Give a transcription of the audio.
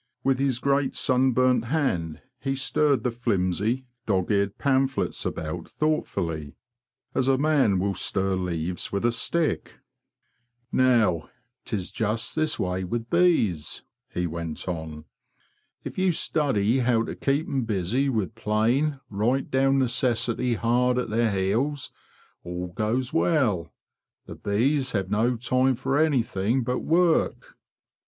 With his great sunburnt hand he stirred the flimsy, dog eared pamphlets about thoughtfully, as a man will stir leaves with a stick. '' Now, 'tis just this way with bees,'' he went on. "Tf you study how to keep 'em busy, with plain, right down necessity hard at their heels, all goes well. The bees have no time for anything but work.